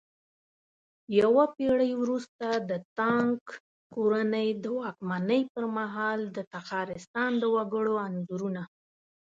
يوه پېړۍ وروسته د تانگ کورنۍ د واکمنۍ پرمهال د تخارستان د وگړو انځورونه